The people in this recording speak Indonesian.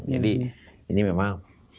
jadi ini memang